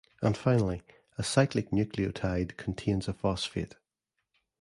And finally, a cyclic nucleotide contains a phosphate.